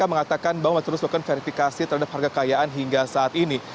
kpk mengatakan bahwa menerus melakukan verifikasi terhadap harga kekayaan hingga saat ini